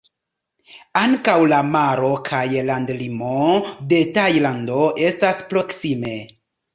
Ankaŭ la maro kaj landlimo de Tajlando estas proksime.